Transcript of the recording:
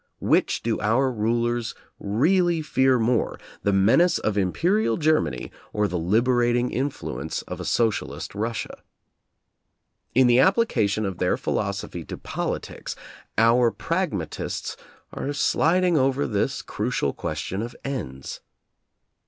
Which do our rulers really fear more, the menace of Imperial Germany, or the liberating influence of a socialist Russia. In the application of their philosophy to politics, our pragmatists are slid ing over this crucial question of ends.